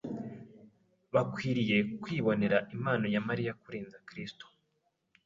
bakwiriye kwibonera impano ya Mariya kurenza Kristo.